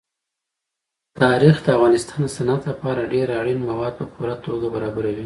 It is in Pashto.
تاریخ د افغانستان د صنعت لپاره ډېر اړین مواد په پوره توګه برابروي.